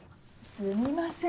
すみません